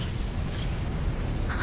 ちっ。